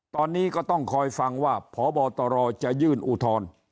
ตอนนี้ก็ต้องคอยฟังว่าพบตรจะยื่นอุทธรณ์